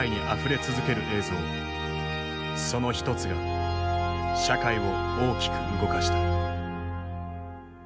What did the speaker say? その一つが社会を大きく動かした。